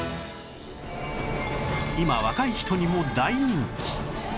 今若い人にも大人気！